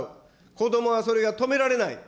こどもはそれは止められない。